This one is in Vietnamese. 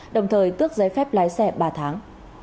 đồng thời tước giấy phép lái xe ba tháng